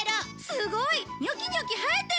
すごいニョキニョキ生えてる！